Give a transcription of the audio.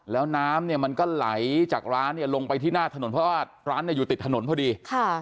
แล้วน้ำเนี่ยมันก็ไหลจากร้านเนี่ยลงไปที่หน้าถนนเพราะว่าร้านอยู่ติดถนนพอดี